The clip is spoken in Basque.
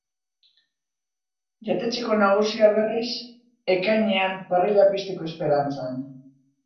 Jatetxeko nagusia berriz, ekainean parrila pizteko esperantzan.